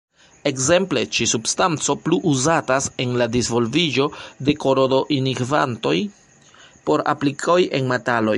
Ekzemple, ĉi-substanco plu uzatas en la disvolviĝo de korodo-inhibantoj por aplikoj en metaloj.